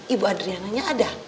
ibu adriananya ada